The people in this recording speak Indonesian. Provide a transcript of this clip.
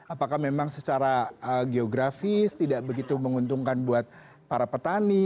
apakah memang secara geografis tidak begitu menguntungkan buat para petani